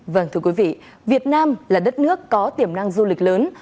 vâng thưa quý vị việt nam là đất nước có tiềm năng du lịch lớn